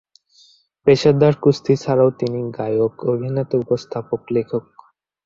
পেশাদার কুস্তি ছাড়াও তিনি গায়ক, অভিনেতা, উপস্থাপক, লেখক।